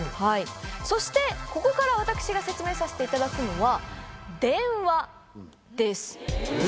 そしてここから私が説明させていただくのは。